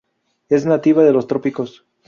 Es nativa de los trópicos.